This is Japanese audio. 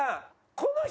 この人？